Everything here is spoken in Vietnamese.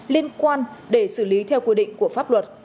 liên quan để xử lý theo quy định của pháp luật